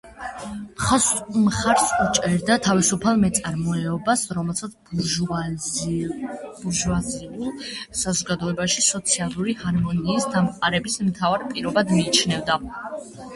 მხარს უჭერდა „თავისუფალ მეწარმეობას“, რომელსაც ბურჟუაზიულ საზოგადოებაში სოციალური ჰარმონიის დამყარების მთავარ პირობად მიიჩნევდა.